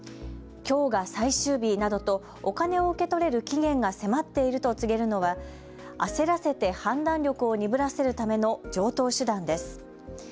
きょうが最終日などとお金を受け取れる期限が迫っていると告げるのは焦らせて判断力を鈍らせるための常とう手段です。